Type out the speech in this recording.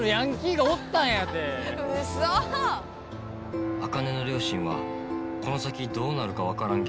ウソ⁉茜の両親はこの先どうなるか分からん